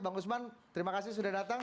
bang usman terima kasih sudah datang